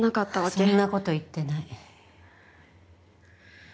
そんなこと言ってない。